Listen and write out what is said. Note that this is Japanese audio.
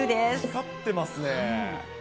光ってますね。